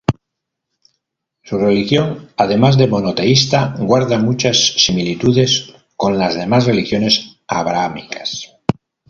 Su religión además de monoteísta guarda muchas similitudes con las demás religiones abrahámicas.